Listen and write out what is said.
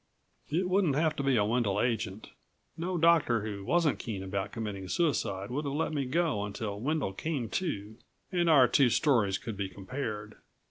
It wouldn't have to be a Wendel agent. No doctor who wasn't keen about committing suicide would have let me go until Wendel came to, and our two stories could be compared.